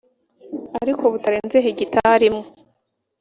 ariko butarenze hegitari imwe